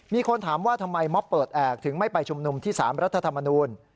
มีคนถามว่าทำไมม็อบเปิดแอกถึงไม่ไปชุมนุมที่๓รัฐธรรมนูล